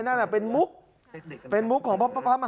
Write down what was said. การเงินมันมีฝ่ายฮะ